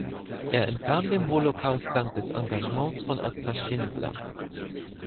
Er entkam dem Holocaust dank des Engagements von Oskar Schindler.